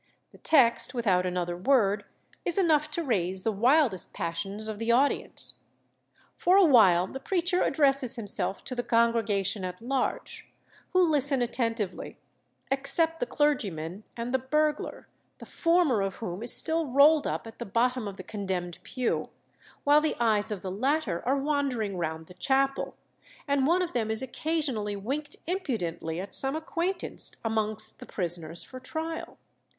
The text, without another word, is enough to raise the wildest passions of the audience.... For a while the preacher addresses himself to the congregation at large, who listen attentively except the clergyman and the burglar, the former of whom is still rolled up at the bottom of the condemned pew, while the eyes of the latter are wandering round the chapel, and one of them is occasionally winked impudently at some acquaintance amongst the prisoners for trial.